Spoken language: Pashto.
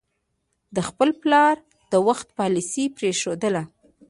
د خپل پلار د وخت پالیسي پرېښودله.